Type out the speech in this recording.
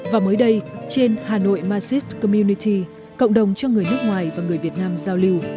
và mới đây trên hà nội massive community cộng đồng cho người nước ngoài và người việt nam giao lưu